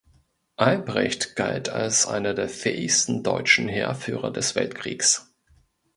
Albrecht galt als einer der „fähigsten deutschen Heerführer des Weltkriegs“.